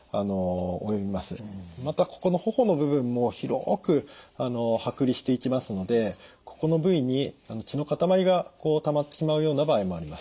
またここの頬の部分も広く剥離していきますのでここの部位に血の塊がたまってしまうような場合もあります。